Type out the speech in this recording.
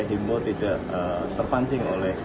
dan timbo tidak terpancing oleh